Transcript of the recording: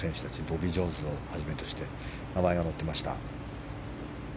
ボビー・ジョーンズをはじめとして名前が載ってました。